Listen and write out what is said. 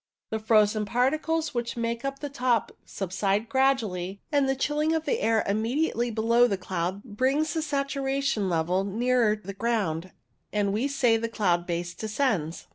The frozen particles which make up the top subside gradually, and the chilling of the air immediately below the cloud brings the saturation level nearer the ground, and we say the cloud base descends.